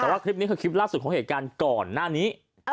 แต่ว่าคลิปนี้คือคลิปล่าสุดของเหตุการณ์ก่อนหน้านี้